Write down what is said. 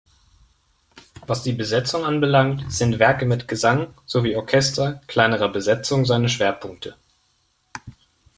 Was die Besetzung anbelangt, sind Werke mit Gesang sowie Orchester kleinerer Besetzung seine Schwerpunkte.